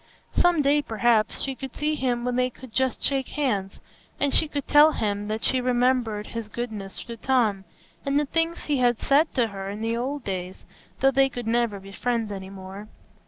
Some day, perhaps, she could see him when they could just shake hands, and she could tell him that she remembered his goodness to Tom, and the things he had said to her in the old days, though they could never be friends any more.